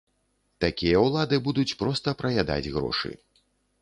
Такія ўлады будуць проста праядаць грошы.